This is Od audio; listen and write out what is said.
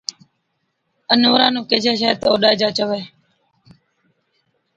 اَنوَرا نُون ڪيهجَي ڇَي تہ او ڏائِجا چووي